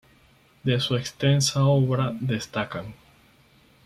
De su extensa obra destacan